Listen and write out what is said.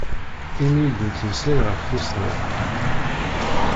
Imi i d-nettmeslay ɣef tussna.